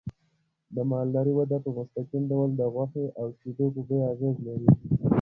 د مالدارۍ وده په مستقیم ډول د غوښې او شیدو په بیو اغېز لري.